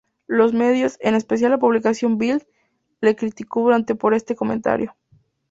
Los medios, en especial la publicación "Bild", le criticó duramente por este comentario.